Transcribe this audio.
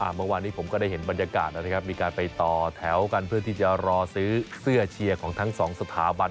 เมื่อวานนี้ผมก็ได้เห็นบรรยากาศนะครับมีการไปต่อแถวกันเพื่อที่จะรอซื้อเสื้อเชียร์ของทั้งสองสถาบัน